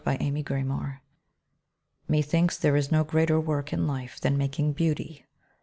BEAUTY MAKING Methinks there is no greater work in life Than making beauty.